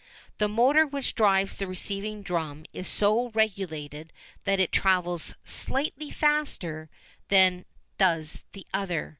The motor which drives the receiving drum is so regulated that it travels slightly faster than does the other.